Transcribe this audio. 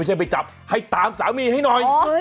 ไปจับให้ตามสามีให้หน่อย